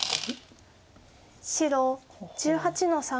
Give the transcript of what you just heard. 白１８の三ツケ。